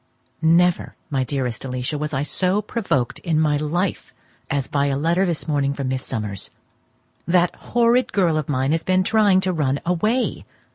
Never, my dearest Alicia, was I so provoked in my life as by a letter this morning from Miss Summers. That horrid girl of mine has been trying to run away.